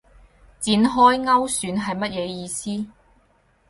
展開勾選係乜嘢意思